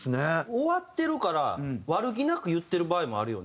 終わってるから悪気なく言ってる場合もあるよね。